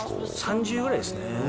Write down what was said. ３０ぐらいですね